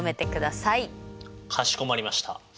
かしこまりました！